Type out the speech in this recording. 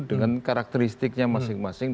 dengan karakteristiknya masing masing